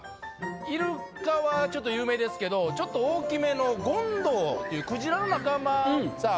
イルカはちょっと有名ですけどちょっと大きめのっていうクジラの仲間。